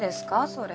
それ。